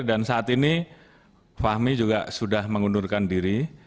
dan saat ini fahmi juga sudah mengundurkan diri